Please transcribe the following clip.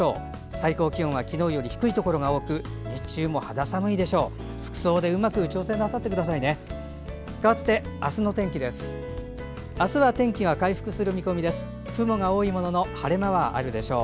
最高気温は昨日より低いところが多く日中も肌寒いでしょう。